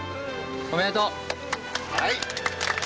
おめでとう。